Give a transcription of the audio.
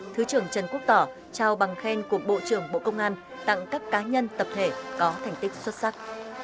thứ trưởng trần quốc tỏ trao bằng khen của bộ trưởng bộ công an tặng các cá nhân tập thể có thành tích xuất sắc